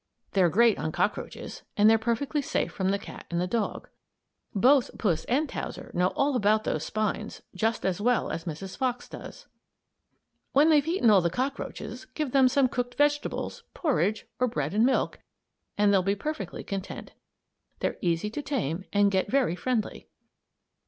They're great on cockroaches, and they're perfectly safe from the cat and the dog. Both Puss and Towser know all about those spines, just as well as Mrs. Fox does. When they've eaten all the cockroaches, give them some cooked vegetables, porridge, or bread and milk, and they'll be perfectly content. They're easy to tame and get very friendly.